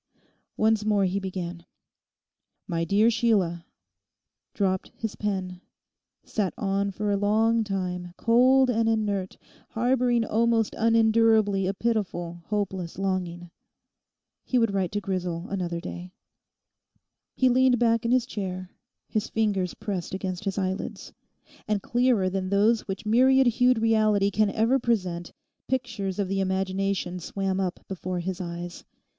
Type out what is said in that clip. Once more he began, 'my dear Sheila,' dropped his pen, sat on for a long time, cold and inert, harbouring almost unendurably a pitiful, hopeless longing.... He would write to Grisel another day. He leant back in his chair, his fingers pressed against his eyelids. And clearer than those which myriad hued reality can ever present, pictures of the imagination swam up before his eyes.